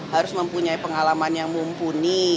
harus mempunyai pengalaman yang mumpuni